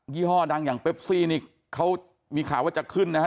ี่ห้อดังอย่างเปปซี่นี่เขามีข่าวว่าจะขึ้นนะฮะ